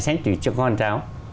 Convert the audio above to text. sách cho con cháu